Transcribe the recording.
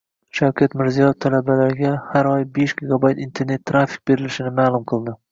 Shavkat Mirziyoyev talabalarga har oybeshgigabayt internet trafik berilishini ma’lum qildi